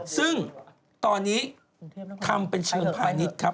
ซึ่งตอนนี้ทำเป็นเชิงพาณิชย์ครับ